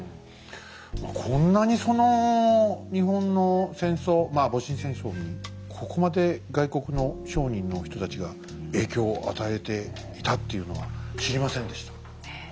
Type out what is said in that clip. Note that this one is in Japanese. こんなにその日本の戦争まあ戊辰戦争にここまで外国の商人の人たちが影響を与えていたっていうのは知りませんでした。